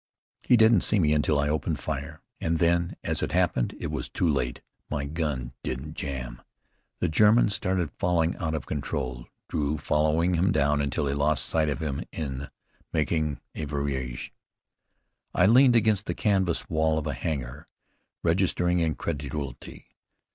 "He didn't see me until I opened fire, and then, as it happened, it was too late. My gun didn't jam!" The German started falling out of control, Drew following him down until he lost sight of him in making a virage. I leaned against the canvas wall of a hangar, registering incredulity.